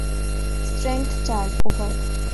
Strength চার, over.